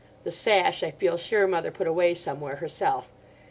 The sash I feel sure mother put away somewhere herself.